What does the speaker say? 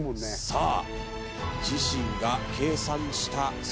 さあ